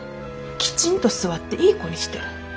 きちんと座っていい子にしてる。